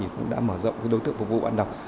cũng đã mở rộng đối tượng phục vụ văn hóa đọc